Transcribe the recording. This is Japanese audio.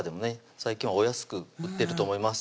最近はお安く売ってると思います